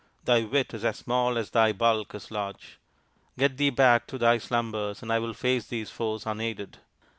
" Thy wit is as small as thy bulk is large: Get thee back to thy slumbers and I will face these foes unaided."